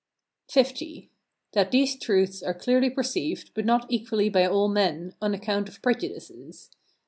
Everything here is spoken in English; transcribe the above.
L. That these truths are clearly perceived, but not equally by all men, on account of prejudices.